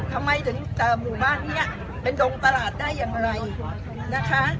ทำไมถึงหมู่บ้านนี้เป็นดงตลาดได้อย่างไรนะคะ